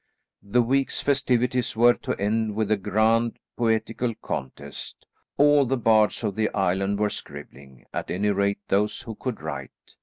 The week's festivities were to end with a grand poetical contest. All the bards of the island were scribbling; at any rate, those who could write.